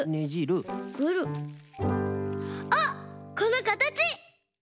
あっこのかたち！